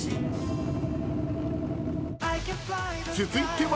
［続いては］